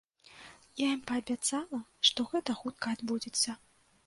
Я ім паабяцала, што гэта хутка адбудзецца.